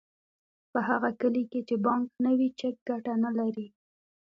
په هغه کلي کې چې بانک نه وي چک ګټه نلري